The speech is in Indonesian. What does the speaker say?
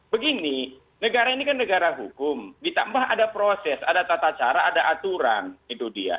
begini negara ini kan negara hukum ditambah ada proses ada tata cara ada aturan itu dia